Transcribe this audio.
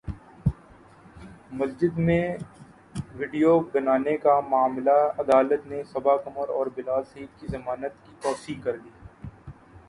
مسجد میں ویڈیو بنانے کا معاملہ عدالت نے صبا قمر اور بلال سعید کی ضمانت کی توثیق کردی